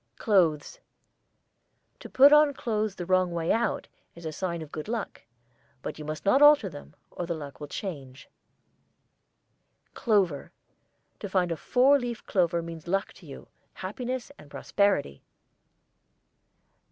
CLOTHES. To put on clothes the wrong way out is a sign of good luck; but you must not alter them, or the luck will change. CLOVER. To find a four leaf clover means luck to you, happiness and prosperity.